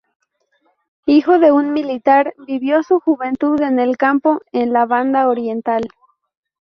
Hijo de un militar, vivió su juventud en el campo, en la Banda Oriental.